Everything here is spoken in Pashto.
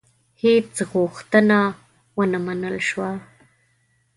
هیڅ غوښتنه ونه منل شوه.